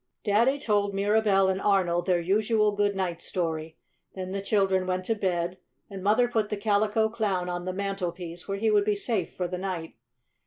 Daddy told Mirabell and Arnold their usual good night story. Then the children went to bed and Mother put the Calico Clown on the mantelpiece where he would be safe for the night.